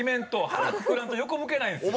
腹くくらんと横向けないんですよ。